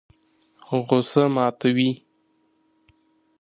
غوسه ماتوي.